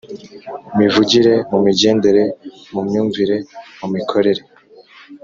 mivugire, mu migendere, mu myumvire, mu mikorere